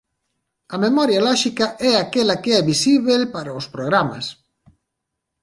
A memoria lóxica é aquela que é visíbel para os programas.